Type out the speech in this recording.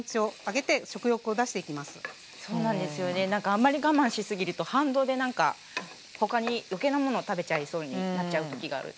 あんまり我慢しすぎると反動でなんか他に余計なものを食べちゃいそうになっちゃう時がある。